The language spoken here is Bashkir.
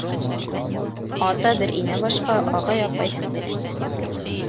Ата бер, инә башҡа ағай, апай. һеңле, эне.